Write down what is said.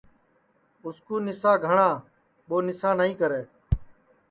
اُس کُو نِسا گھاٹؔا ٻو نسا نائی کری